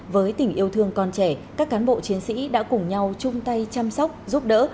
với tình yêu thương con trẻ các cán bộ chiến sĩ đã cùng nhau chung tay chăm sóc giúp đỡ